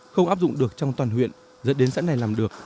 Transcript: không áp dụng được trong toàn huyện dẫn đến xã này làm được